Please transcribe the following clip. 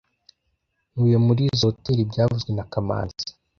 Ntuye muri izoi hoteri byavuzwe na kamanzi